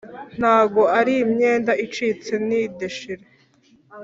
Ntago ari imyenda icitse ni deshire